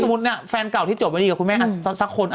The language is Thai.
ถ้าสมมุติแฟนเก่าที่จบไม่ดีกับคุณแม่สักคน